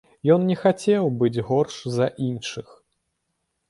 Ён не хацеў быць горш за іншых.